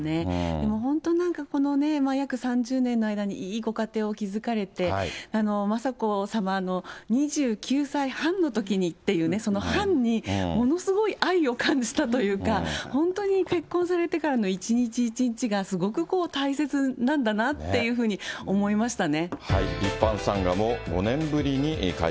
でも本当になんか、この約３０年の間にいいご家庭を築かれて、雅子さまの２９歳半のときにっていうね、その半に、ものすごい愛を感じたというか、本当に結婚されてからの一日一日が、すごくこう、大切なんだなっていうふうに思いましたね。